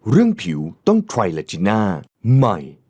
เรื่องผิวต้องใครลาจีน่าใหม่